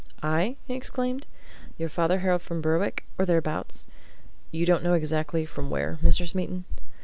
"Aye?" he exclaimed. "Your father hailed from Berwick, or thereabouts? You don't know exactly from where, Mr. Smeaton?"